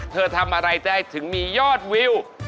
เธอทำอะไรจะให้ถึงมียอดวิว